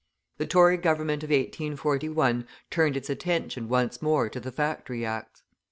The Tory Government of 1841 turned its attention once more to the Factory Acts.